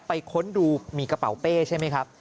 ค้นดูมีกระเป๋าเป้ใช่ไหมครับ